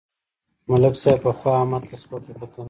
ملک صاحب پخوا احمد ته سپکه کتل.